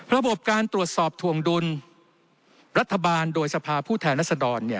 ระบบการตรวจสอบถวงดุลรัฐบาลโดยสภาพผู้แทนรัศดร